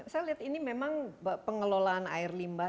saya lihat ini memang pengelolaan air limbah